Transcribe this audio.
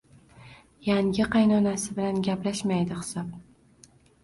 Yangi qaynonasi bilan gaplashmaydi, hisob